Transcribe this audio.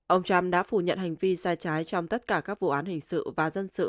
ông trump đã phủ nhận hành vi sai trái trong tất cả các vụ án hình sự và dân sự